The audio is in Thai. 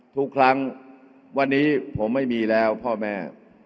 ทุกครั้งวันนี้ผมไม่มีแล้วพ่อแม่